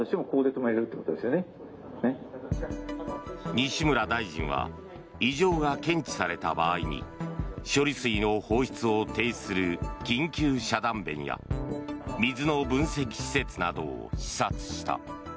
西村大臣は異常が検知された場合に処理水の放出を停止する緊急遮断弁や水の分析施設などを視察した。